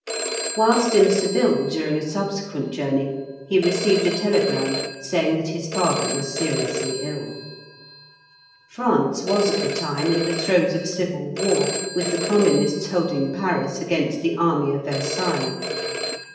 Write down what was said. Whilst in Seville during a subsequent journey he received a telegram saying that his father was seriously ill. France was at the time in the throes of civil war, with the Communists holding Paris against the army of Versailles.